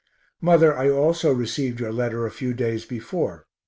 Mother, I also rec'd your letter a few days before.